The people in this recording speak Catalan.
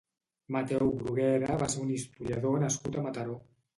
Mateu Bruguera va ser un historiador nascut a Mataró.